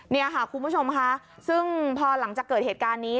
นี่ค่ะคุณผู้ชมค่ะซึ่งพอหลังจากเกิดเหตุการณ์นี้